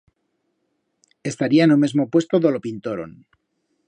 Estaría en o mesmo puesto do lo pintoron.